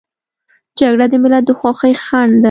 جګړه د ملت د خوښۍ خنډ ده